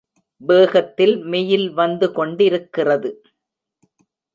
வேகத்தில் மெயில் வந்து கொண்டிருக்கிறது.